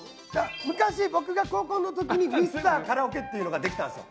昔僕が高校の時にミスターカラオケってうのができたんですよ。